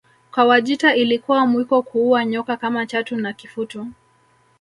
Kwa Wajita ilikuwa mwiko kuua nyoka kama chatu na kifutu